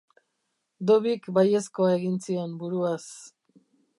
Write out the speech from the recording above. Dobbyk baiezkoa egin zion buruaz.